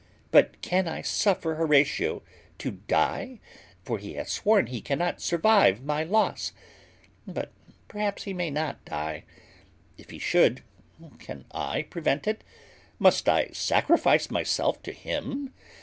But can I suffer Horatio to die? for he hath sworn he cannot survive my loss: but perhaps he may not die: if he should, can I prevent it? Must I sacrifice myself to him?